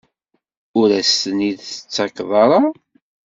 Ur as-ten-id-tettakeḍ ara?